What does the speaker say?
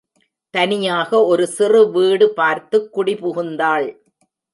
தனியாக ஒரு சிறு வீடு பார்த்துக் குடிபுகுந்தாள்.